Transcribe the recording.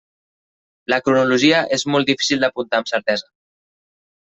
La cronologia és molt difícil d'apuntar amb certesa.